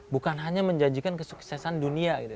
bukan hanya menjanjikan kesuksesan dunia gitu